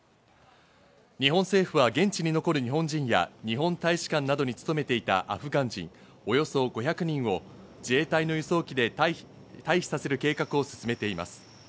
日本政府は現地に残る日本人や日本大使館などに勤めていたアフガン人およそ５００人を自衛隊の輸送機で退避させる計画を進めています。